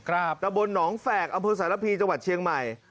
ระบวนหนองแฝกอสารพีจังหวัดเชียงใหม่